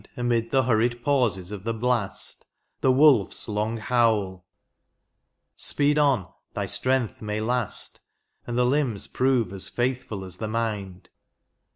Amid the hurried pauses of the blast, The wolfs long howl; — Speed on, thy strength may last. And the limbs prove as faithful as the mind.